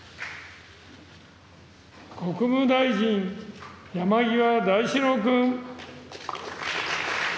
国務大臣、山際大志郎君。